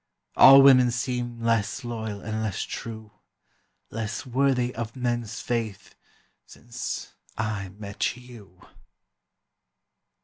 All women seem less loyal and less true, Less worthy of men's faith since I met you.